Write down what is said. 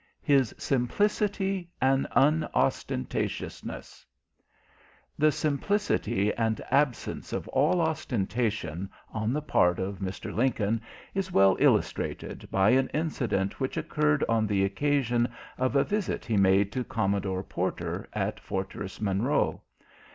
HIS SIMPLICITY AND UNOSTENTATIOUSNESS The simplicity and absence of all ostentation on the part of Mr. Lincoln, is well illustrated by an incident which occurred on the occasion of a visit he made to Commodore Porter, at Fortress Monroe.